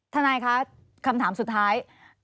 ทนายคะคำถามสุดท้าย